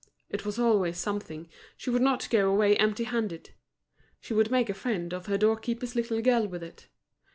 It was always something, she would not go away empty handed, she would make a friend of her doorkeeper's little girl with it.